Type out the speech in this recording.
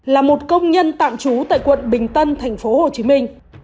là một công nhân tạm trú tại quận bình tân thành phố hồ chí minh